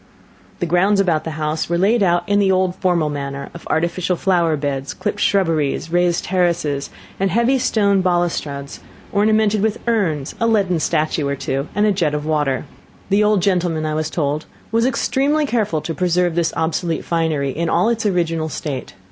The grounds about the house were laid out in the old formal manner of artificial flower beds, clipped shrubberies, raised terraces, and heavy stone balustrades, ornamented with urns, a leaden statue or two, and a jet of water. The old gentleman, I was told, was extremely careful to preserve this obsolete finery in all its original state.